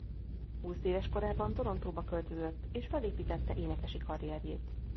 Húszéves korában Torontoba költözött és felépítette énekesi karrierjét.